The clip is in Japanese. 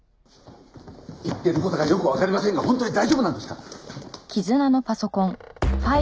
言ってる事がよくわかりませんが本当に大丈夫なんですか？